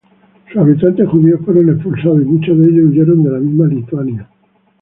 Sus habitantes judíos fueron expulsados y muchos de ellos huyeron de la misma Lituania.